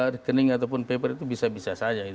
rekening ataupun paper itu bisa bisa saja